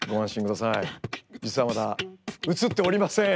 実はまだ映っておりません。